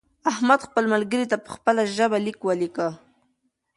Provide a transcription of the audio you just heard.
احمد خپل ملګري ته په خپله ژبه لیک ولیکه.